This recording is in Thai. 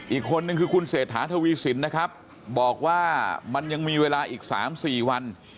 อีกคนนึงคือคุณเศรษฐาทวีสินนะครับบอกว่ามันยังมีเวลาอีก๓๔วัน